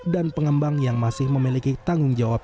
dan pengembang yang masih memiliki tanggung jawab